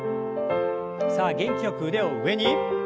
さあ元気よく腕を上に。